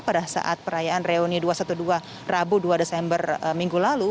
pada saat perayaan reuni dua ratus dua belas rabu dua desember minggu lalu